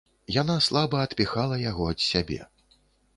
Яна слаба адпіхала яго ад сябе.